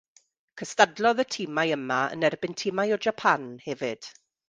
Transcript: Cystadlodd y timau yma yn erbyn timau o Japan hefyd.